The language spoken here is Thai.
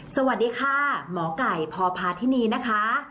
สวัสดีค่ะหมอก่ายพอพาที่นี่นะคะ